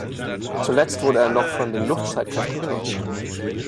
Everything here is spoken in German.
Zuletzt wurde er noch von den Luftstreitkräften genutzt.